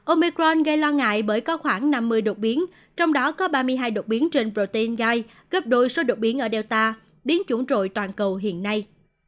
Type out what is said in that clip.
omicron gây lo ngại bởi có khoảng năm mươi đột biến trong đó có ba mươi hai đột biến trên protein gai gấp đôi số đột biến ở delta biến chủng trội toàn cầu hiện nay